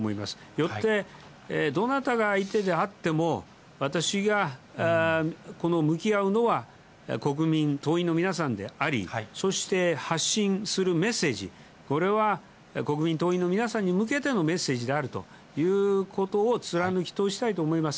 よって、どなたが相手であっても、私が向き合うのは国民、党員の皆さんであり、そして発信するメッセージ、これは国民、党員の皆さんに向けてのメッセージであるということを貫き通したいと思います。